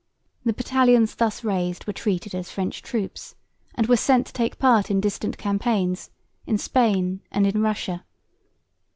The battalions thus raised were treated as French troops, and were sent to take part in distant campaigns in Spain and in Russia.